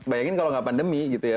bayangin kalau nggak pandemi gitu ya